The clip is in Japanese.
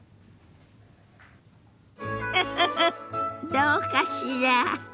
フフフどうかしら？